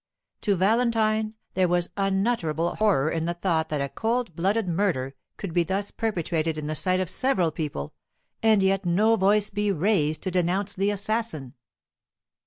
To Valentine there was unutterable horror in the thought that a cold blooded murder could be thus perpetrated in the sight of several people, and yet no voice be raised to denounce the assassin.